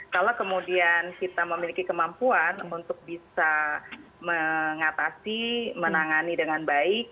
kalau kemudian kita memiliki kemampuan untuk bisa mengatasi menangani dengan baik